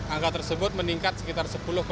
angka tersebut mencapai tiga enam triliun